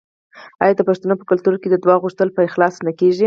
آیا د پښتنو په کلتور کې د دعا غوښتل په اخلاص نه کیږي؟